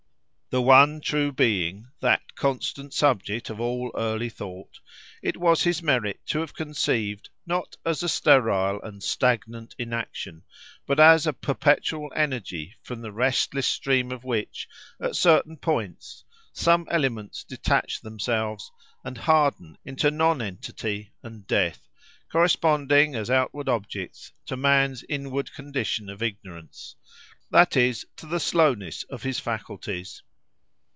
The one true being—that constant subject of all early thought—it was his merit to have conceived, not as sterile and stagnant inaction, but as a perpetual energy, from the restless stream of which, at certain points, some elements detach themselves, and harden into non entity and death, corresponding, as outward objects, to man's inward condition of ignorance: that is, to the slowness of his faculties.